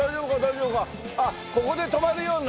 あっここで止まるようになってんだ。